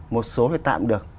một số thì tạm được